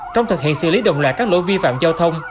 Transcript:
trong thực hiện xử lý đồng loại các lỗi vi phạm giao thông